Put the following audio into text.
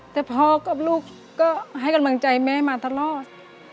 แต่พ่อกับลูกก็ให้กำลังใจแม่มาตลอด